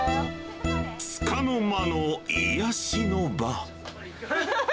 つかの間の癒やしの場。